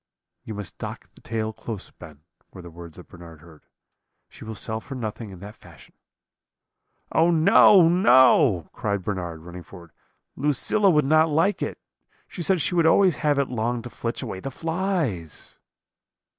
"'You must dock the tail close, Ben,' were the words that Bernard heard; 'she will sell for nothing in that fashion.' "'Oh, no, no!' cried Bernard, running forward, 'Lucilla would not like it; she said she would always have it long to flitch away the flies.'